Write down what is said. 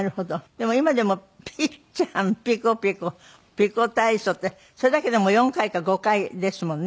でも今でも「ピッチャンピコピコピコ体操」ってそれだけでも４回か５回ですもんね。